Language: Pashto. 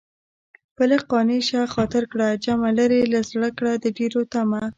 په لږ قانع شه خاطر کړه جمع لرې له زړه کړه د ډېرو طمع